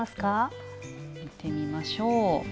見てみましょう。